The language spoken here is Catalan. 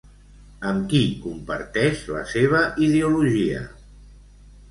Amb qui comparteix la seva ideologia?